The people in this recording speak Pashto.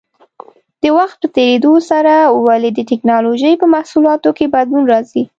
د وخت په تېرېدو سره ولې د ټېکنالوجۍ په محصولاتو کې بدلون راځي؟